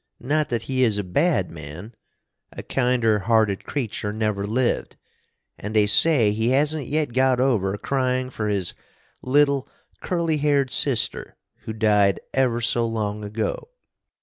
Not that he is a bad man a kinder hearted creature never lived, and they say he hasn't yet got over crying for his little curly haired sister who died ever so long ago.